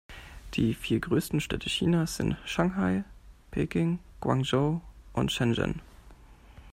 Die vier größten Städte Chinas sind Shanghai, Peking, Guangzhou und Shenzhen.